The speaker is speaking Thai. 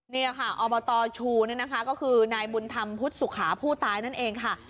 นี่ค่ะอบตชูนี่นะคะก็คือนายบุญธรรมพุทธสุขาผู้ตายนั่นเองค่ะ